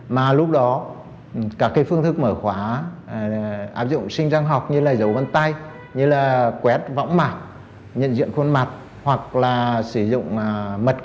mà lúc đó các phương thức mở khóa áp dụng sinh trang học như là giấu văn tay quét võng mảng nhận diện khuôn mặt hoặc là sử dụng mật khẩu hoặc sử dụng thẻ từ